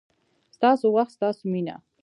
ستاسو وخت، ستاسو مینه